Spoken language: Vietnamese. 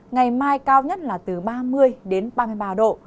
ngày mai cao nhất là từ ba mươi đến ba mươi ba độ